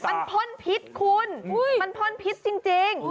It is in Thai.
มันพ่นพิษคุณมันพ่นพิษจริง